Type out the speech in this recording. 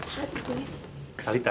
satu boleh kalita